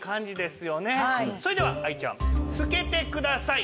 それでは愛ちゃんつけてください。